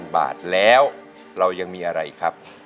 ๐บาทแล้วเรายังมีอะไรครับ